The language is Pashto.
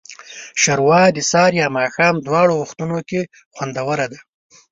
ښوروا د سهار یا ماښام دواړو وختونو کې خوندوره ده.